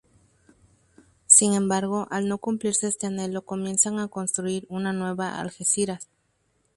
Sin embargo, al no cumplirse este anhelo comienzan a construir una nueva Algeciras.